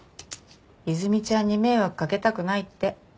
和泉ちゃんに迷惑掛けたくないって。